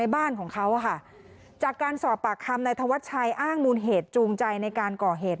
บ้านของเขาจากการสอบปากคำนายธวัชชัยอ้างมูลเหตุจูงใจในการก่อเหตุ